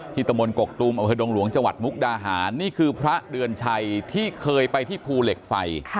ที่ตมนต์กกตุมอหลวงจมุกดาหานี่คือพระเดือนชัยที่เคยไปที่ภูเหล็กไฟ